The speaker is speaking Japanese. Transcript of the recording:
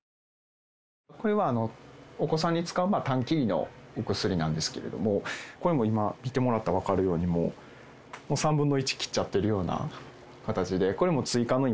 これはお子さんに使うたん切りのお薬なんですけれども、これも今、見てもらったら分かるように、もう３分の１切っちゃってるような形で、これも追加の今、